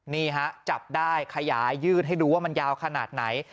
นี่ฮะจับได้ขยายยืดให้ดูว่ามันยาวขนาดไหน